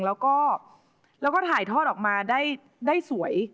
แล้วก็ถ่ายทอดออกมาได้สวย